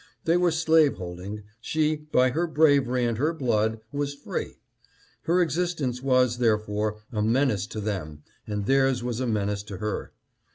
They were slave holding. She, by her bravery and her blood, was free. Her existence was, therefore, a menace to them, and theirs was a menace to her.